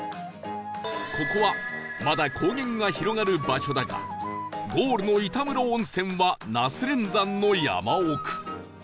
ここはまだ高原が広がる場所だがゴールの板室温泉は那須連山の山奥